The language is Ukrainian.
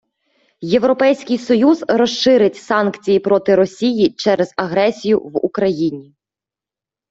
Європейський Союз розширить санкції проти Росії через агресію в Україні.